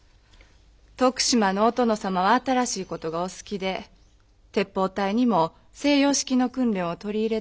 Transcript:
徳島のお殿様は新しいことがお好きで鉄砲隊にも西洋式の訓練を取り入れていなさるとか。